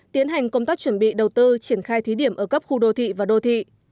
tiến hành công tác chuẩn bị đầu tư triển khai thí điểm ở các khu đô thị và đô thị